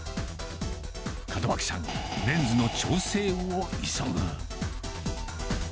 門脇さん、レンズの調整を急ぐ。